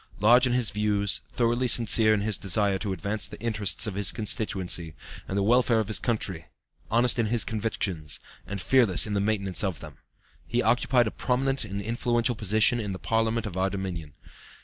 Large in his views, thoroughly sincere in his desire to advance the interests of his constituency, and the welfare of his country, honest in his convictions, and fearless in the maintenance of them, he occupied a prominent and influential position in the parliament of our Dominion.